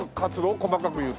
細かく言うと。